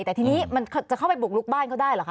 แต่ทีนี้มันจะเข้าไปบุกลุกบ้านเขาได้เหรอค